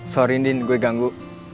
sorry indin gue ganggu